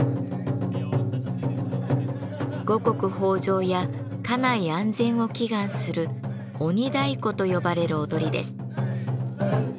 五穀豊穣や家内安全を祈願する鬼太鼓と呼ばれる踊りです。